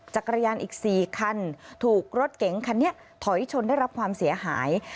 จักรยานอีก๔คันถูกรถเก๋งคันนี้ถอยชนได้รับความเสียหาย